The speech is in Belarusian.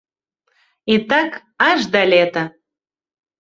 І так аж да лета.